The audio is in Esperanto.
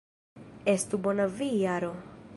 Estu bona vi, Jaro!